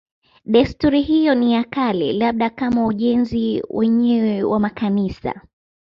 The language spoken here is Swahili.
Desturi hiyo ni ya kale, labda kama ujenzi wenyewe wa makanisa.